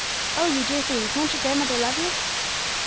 Oh, you dear things, won't your grandmother love you!'